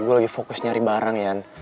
gue lagi fokus nyari barang ya